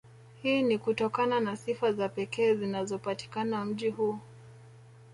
Hii ni kutokana na sifa za pekee zinazopatikana mji huu